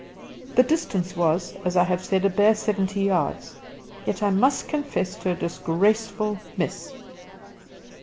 The distance was, as I have said, a bare seventy yards; yet I must confess to a disgraceful miss.